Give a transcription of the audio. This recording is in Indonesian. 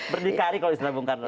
berdikari kalau istilah bung karno